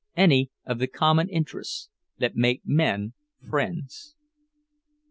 any of the common interests that make men friends.